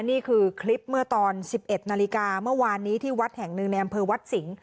นี่คือคลิปเมื่อตอน๑๑นาฬิกาเมื่อวานนี้ที่วัดแห่งหนึ่งในอำเภอวัดสิงห